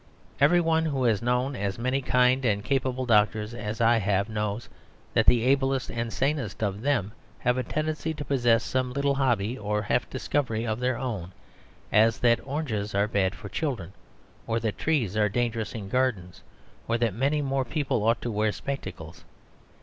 Everyone who has known as many kind and capable doctors as I have, knows that the ablest and sanest of them have a tendency to possess some little hobby or half discovery of their own, as that oranges are bad for children, or that trees are dangerous in gardens, or that many more people ought to wear spectacles.